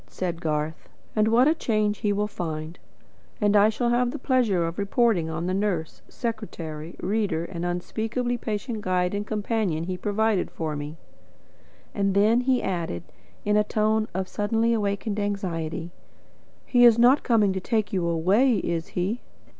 said Garth. "And what a change he will find! And I shall have the pleasure of reporting on the nurse, secretary, reader, and unspeakably patient guide and companion he provided for me." Then he added, in a tone of suddenly awakened anxiety: "He is not coming to take you away, is he?"